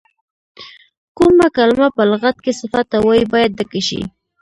کومه کلمه په لغت کې صفت ته وایي باید ډکه شي.